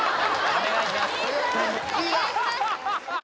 お願いします